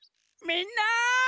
みんな！